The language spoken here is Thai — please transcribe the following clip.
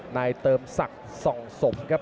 ในเติมศักดิ์๒ศพครับ